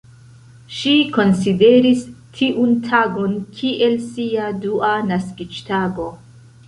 Ŝi konsideris tiun tagon kiel sia dua naskiĝtago.